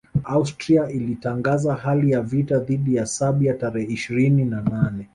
Austria ilitangaza hali ya vita dhidi ya Serbia tarehe ishirini na nane